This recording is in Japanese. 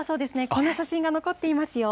こんな写真が残っていますよ。